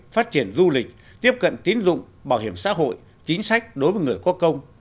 phát triển du lịch tiếp cận tín dụng bảo hiểm xã hội chính sách đối với người có công